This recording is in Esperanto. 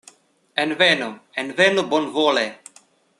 Envenu, envenu bonvole!